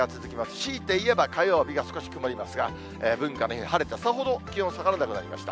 強いて言えば、火曜日が少し曇りますが、文化の日が晴れて、さほど、気温下がらなくなりました。